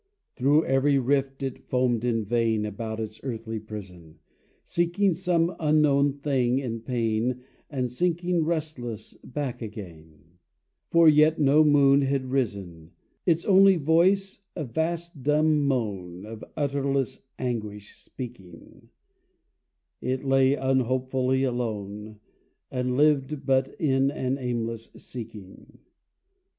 Through every rift it foamed in vain, About its earthly prison, Seeking some unknown thing in pain, And sinking restless back again, For yet no moon had risen: Its only voice a vast dumb moan, Of utterless anguish speaking, It lay unhopefully alone, And lived but in an aimless seeking.